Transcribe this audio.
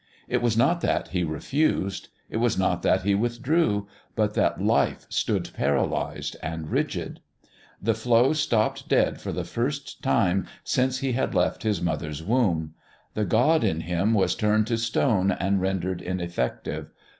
It was not that he refused, it was not that he withdrew, but that Life stood paralysed and rigid. The flow stopped dead for the first time since he had left his mother's womb. The God in him was turned to stone and rendered ineffective.